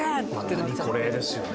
これ」ですよね。